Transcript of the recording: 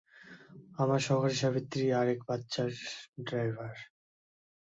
আমার সহকারী সাবিত্রী আর এক বাচ্চার ড্রাইভার।